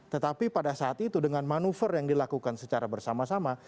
tetapi pada saat itu dengan manuver yang dilakukan secara bersama sama